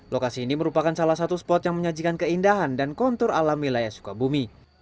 lokasi ini merupakan salah satu spot yang menyajikan keindahan dan kontur alam wilayah sukabumi